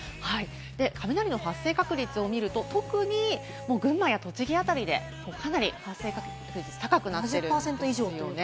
雷の発生確率を見ると、特に群馬や栃木あたりでかなり発生確率が高くなっています。